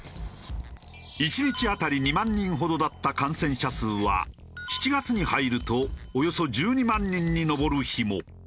１日当たり２万人ほどだった感染者数は７月に入るとおよそ１２万人に上る日も。